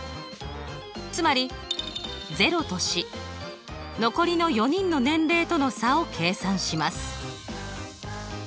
つまり０とし残りの４人の年齢との差を計算します。